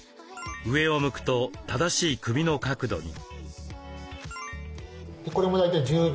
上を向くと正しい首の角度に。